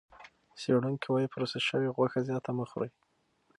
څېړونکي وايي پروسس شوې غوښه زیاته مه خورئ.